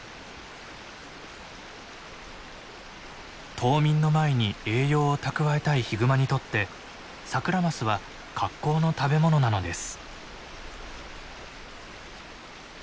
冬眠の前に栄養を蓄えたいヒグマにとってサクラマスは格好の食べ物なのです。